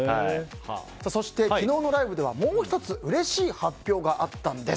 そして昨日のライブではもう１つうれしい発表があったんです。